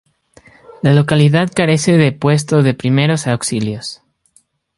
La localidad carece de puesto de primeros auxilios.